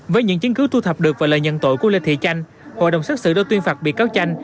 với những chứng cứu thu thập được và lời nhận tội của lê thị chanh hội đồng xác sự đã tuyên phạt bị cáo tranh